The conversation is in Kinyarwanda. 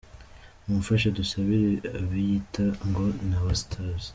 Mumfashe dusabire abiyita ngo ni Abastars.